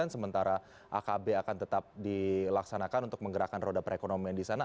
sementara akb akan tetap dilaksanakan untuk menggerakkan roda perekonomian di sana